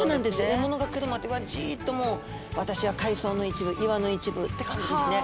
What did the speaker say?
獲物が来るまではじっと私は海藻の一部岩の一部って感じですね。